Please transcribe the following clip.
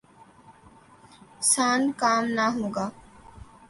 سان کام نہ ہوگا ۔